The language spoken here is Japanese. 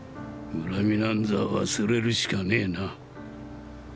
恨みなんざ忘れるしかねえな。